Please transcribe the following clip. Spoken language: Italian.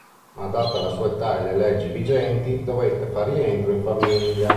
Ma data la sua età e le leggi vigenti, dovette fare rientro in famiglia.